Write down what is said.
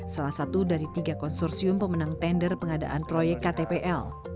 salah satu dari tiga konsorsium pemenang tender pengadaan proyek ktpl